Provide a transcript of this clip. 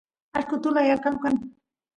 ashqo utula yarqalu kan